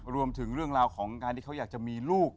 รวมถึงการของเค้าอยากจะมีลูก